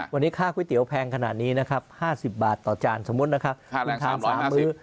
วันนี้ค่าก๋วยเตี๋ยวแพงขนาดนี้นะครับ๕๐บาทต่อสมมตินะครับ